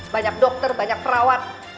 banyak dokter banyak perawat